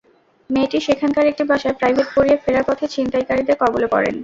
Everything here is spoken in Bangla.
মেয়েটি সেখানকার একটি বাসায় প্রাইভেট পড়িয়ে ফেরার পথে ছিনতাইকারীদের কবলে পড়েন।